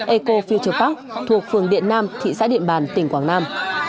eco phiêu park thuộc phường điện nam thị xã điện bàn tỉnh quảng nam